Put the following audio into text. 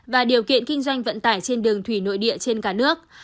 và điều kiện kinh doanh vận tải trên đường thủy nội địa trên cả nước